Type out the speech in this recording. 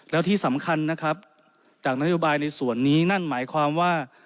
แล้วที่สำคัญนะครับจากนโยบายในส่วนนี้นั่นหมายความว่า